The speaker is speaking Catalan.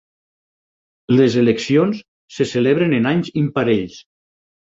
Les eleccions se celebren en anys imparells.